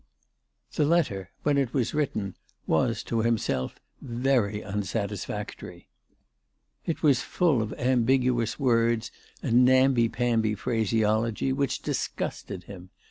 The letter, when it was written, was, to himself, very c c 386 ALICE DUGDALE. unsatisfactory. It was full of ambiguous words and namby pamby phraseology which disgusted him.